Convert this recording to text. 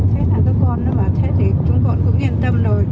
thế là các con nó bảo thế thì chúng con cũng yên tâm rồi